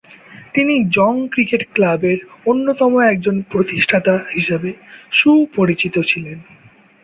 তিনি জং ক্রিকেট ক্লাবের অন্যতম একজন প্রতিষ্ঠাতা হিসেবে সুপরিচিত ছিলেন।